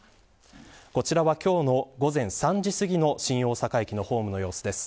こちらは今日の午前３時すぎの新大阪駅のホームの様子です。